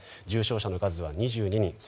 重症者の数は２２人。